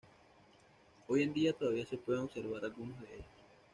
Hoy en día todavía se pueden observar algunos de ellos.